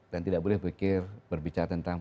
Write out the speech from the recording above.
dan tidak boleh berbicara tentang